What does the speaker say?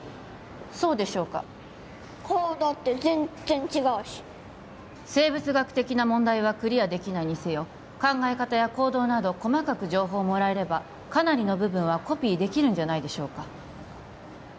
そうでしょうか顔だって全然違うし生物学的な問題はクリアできないにせよ考え方や行動など細かく情報をもらえればかなりの部分はコピーできるんじゃないでしょうか